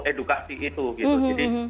edukasi itu jadi